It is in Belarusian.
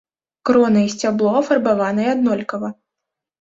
Крона і сцябло афарбаваныя аднолькава.